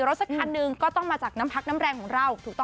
รถสักคันดูก็ต้องมาจากน้ำพักน้ำแรงของเรา